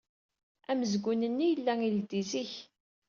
Amezgun-nni yella ileddey zik.